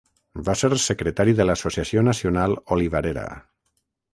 Va ser secretari de l'Associació Nacional Olivarera.